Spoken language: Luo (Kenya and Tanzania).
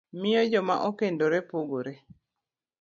miyo joma okendore pogore.